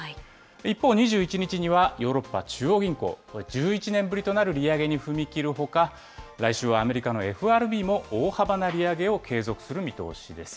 一方、２１日にはヨーロッパ中央銀行、これ、１１年ぶりとなる利上げに踏み切るほか、来週はアメリカのＦＲＢも大幅な利上げを継続する見通しです。